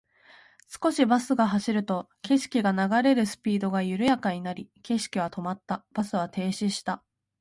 少しバスが走ると、景色が流れるスピードが緩やかになり、景色は止まった。バスは停止した。